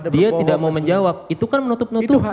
dia tidak mau menjawab itu kan menutup nutuhi